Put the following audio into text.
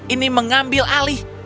ini mengambil alih